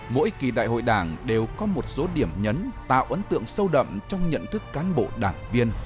mỗi kỳ đại hội đảng đều có một số điểm nhấn tạo ấn tượng sâu đậm trong nhận thức cán bộ đảng viên